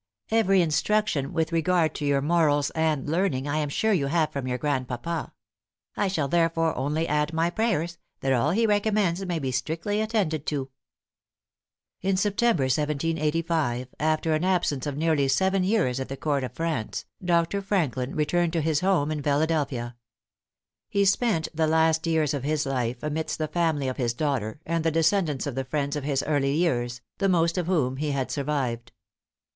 Every instruction with regard to your morals and learning I am sure you have from your grandpapa: I shall therefore only add my prayers that all he recommends may be strictly attended to." In September, 1785, after an absence of nearly seven years at the Court of France, Dr. Franklin returned to his home in Philadelphia. He spent the last years of his life amidst the family of his daughter and the descendants of the friends of his early years, the most of whom he had survived.